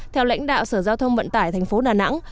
theo lãnh đạo sở giao thông vận tải thành phố đà nẵng